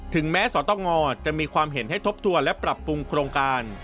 ถึงแม้สตงจะมีความเห็นให้ทบทวนและปรับปรุงโครงการ